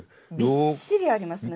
びっしりありますね